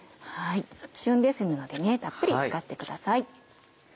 旬ですのでたっぷり使ってください。